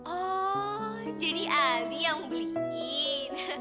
oh jadi ali yang beliin